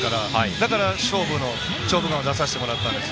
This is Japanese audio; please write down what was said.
だから、「勝負眼」を出させてもらったんです。